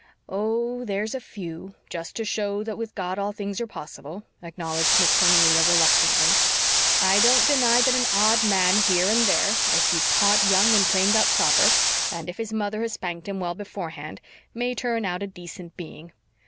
"Oh, there's a few, just to show that with God all things are possible," acknowledged Miss Cornelia reluctantly. "I don't deny that an odd man here and there, if he's caught young and trained up proper, and if his mother has spanked him well beforehand, may turn out a decent being.